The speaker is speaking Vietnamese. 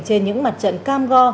trên những mặt trận cam go